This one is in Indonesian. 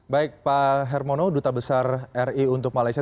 baik pak hermono duta besar ri untuk malaysia